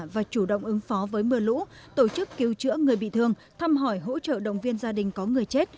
và chủ động ứng phó với mưa lũ tổ chức cứu chữa người bị thương thăm hỏi hỗ trợ động viên gia đình có người chết